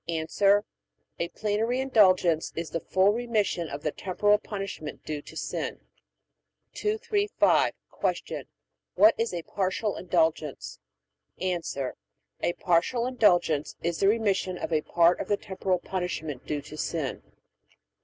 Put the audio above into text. A. A Plenary Indulgence is the full remission of the temporal punishment due to sin. 235. Q. What is a Partial Indulgence? A. A Partial Indulgence is the remission of a part of the temporal punishment due to sin.